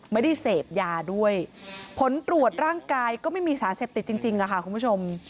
ไม่ได้เสพยาด้วยผลตรวจร่างกายก็ไม่มีสารเสพติดจริงค่ะคุณผู้ชม